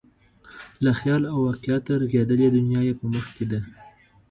له خیال او واقعیته رغېدلې دنیا یې په مخ کې ده.